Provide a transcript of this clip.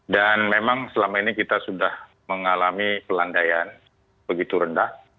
dan memang selama ini kita sudah mengalami pelandaian begitu rendah